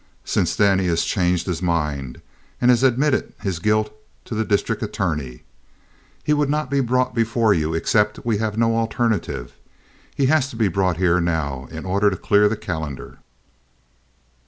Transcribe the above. Since then he has changed his mind and has admitted his guilt to the district attorney. He would not be brought before you except we have no alternative. He has to be brought here now in order to clear the calendar."